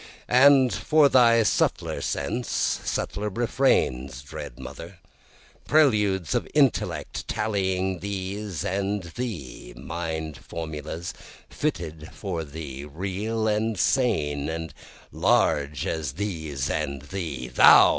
And for thy subtler sense subtler refrains dread Mother, Preludes of intellect tallying these and thee, mind formulas fitted for thee, real and sane and large as these and thee, Thou!